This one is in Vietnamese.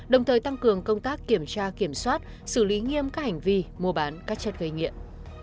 đồng thời tăng cường công tác kiểm tra kiểm soát xử lý nghiêm các hành vi mua bán các chất gây nghiện